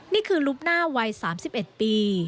นี่คือรูปหน้าวัย๓๑ปี